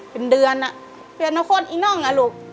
เป็นเดือนอะเป็นคนอิน้องอะลูก